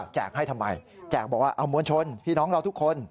ให้ทำไมแจกบอกว่าเอามวลชนพี่น้องเราทุกคน